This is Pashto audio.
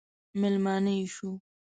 مېلمانه یې شو.